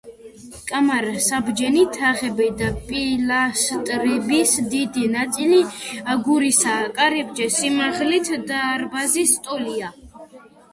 კამარა, საბჯენი თაღები და პილასტრების დიდი ნაწილი აგურისაა კარიბჭე სიმაღლით დარბაზის ტოლია.